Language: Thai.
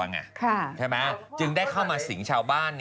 ใช่ไหมจึงได้เข้ามาสิงชาวบ้าน